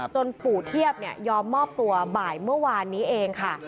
ปู่เทียบยอมมอบตัวบ่ายเมื่อวานนี้เองค่ะ